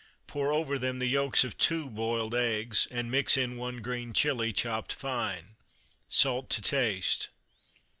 Pour over them the yolks of two boiled eggs, and mix in one green chili, chopped fine. Salt to taste.